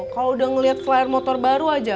kalau udah ngeliat flyer motor baru aja